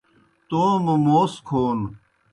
توموْ موس کھون